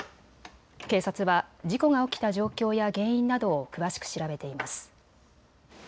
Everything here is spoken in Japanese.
警察は事故が起きた状況や原因などを詳しく調べています。